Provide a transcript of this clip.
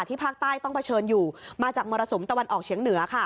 ภาคใต้ต้องเผชิญอยู่มาจากมรสุมตะวันออกเฉียงเหนือค่ะ